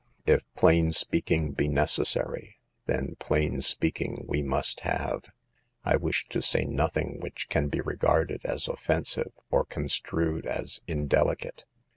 If plain speaking be necessary, then plain speaking we must have. I wish to say nothing which can be regarded as offensive, or construed as indelicate.